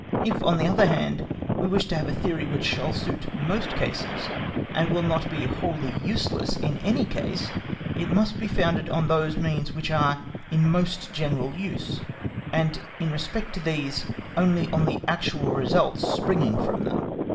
If, on the other hand, we wish to have a theory which shall suit most cases, and will not be wholly useless in any case, it must be founded on those means which are in most general use, and in respect to these only on the actual results springing from them.